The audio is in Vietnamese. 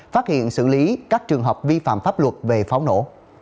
phát hiện xử lý các trường hợp vi phạm pháp luật về pháo nổ